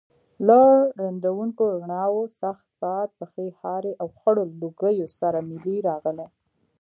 له ړندونکو رڼاوو، سخت باد، پښې هارې او خړو لوګیو سره ملې راغلې.